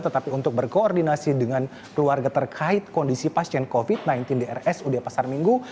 tetapi untuk berkoordinasi dengan keluarga terkait kondisi pasien covid sembilan belas di rsud pasar minggu